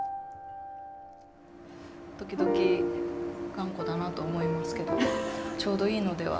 時々頑固だなと思いますけどちょうどいいのではと。